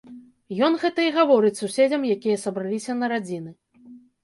Ён гэта і гаворыць суседзям, якія сабраліся на радзіны.